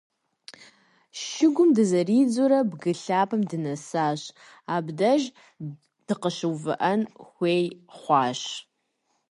Шыгум дызэридзэурэ, бгы лъапэм дынэсащ, абдеж дыкъыщыувыӏэн хуей хъуащ.